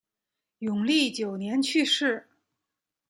永历九年去世。